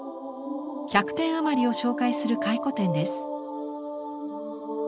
１００点余りを紹介する回顧展です。